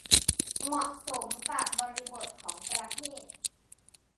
เหมาะสมกับบริบทของประเทศ